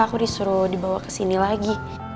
aku disuruh dibawa kesini lagi